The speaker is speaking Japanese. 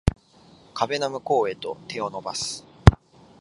壁の向こうへと手を伸ばす